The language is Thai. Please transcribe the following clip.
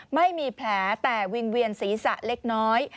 ไม่มีแผลแต่วิงเวียนศีรษะเล็กน้อย